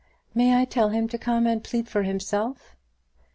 "May I tell him to come and plead for himself?"